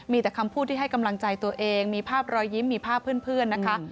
มีแต่คำพูดที่ให้กำลังใจตัวเองมีภาพรอยยิ้มมีภาพเพื่อนนะคะ